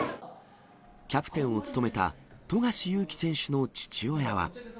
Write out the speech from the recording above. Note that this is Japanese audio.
キャプテンを務めた富樫勇樹選手の父親は。